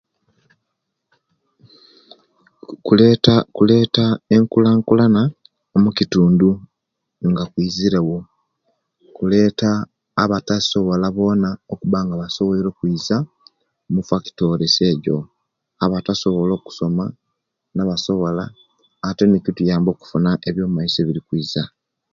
Kuleta kuleta enkulakulana omukitundu nga kwizire wo kuleta abatasobola boona okuba nga basobwoire okwiza mufactories ejo abatasobola okusoma nabasobola ate nikituyamba okufuna ekiyo maiso ekiri kwiza